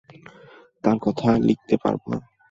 তাঁর কথা লিখতে পারব না।